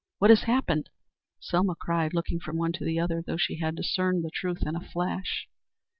What has happened?" Selma cried, looking from one to the other, though she had discerned the truth in a flash.